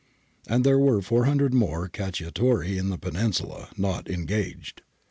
And there were 400 more cacciatori in the Peninsula, not engaged.